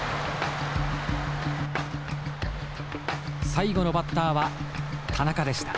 最後のバッターは田中でした。